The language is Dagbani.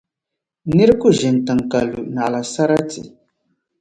Nira ku ʒini tiŋa ka lu naɣla sarati.